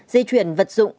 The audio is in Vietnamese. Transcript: di chuyển vật dụng